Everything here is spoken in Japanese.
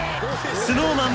ＳｎｏｗＭａｎ